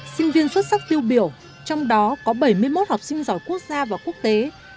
sinh viên xuất sắc tiêu biểu trong đó có bảy mươi một học sinh giỏi quốc gia và quốc tế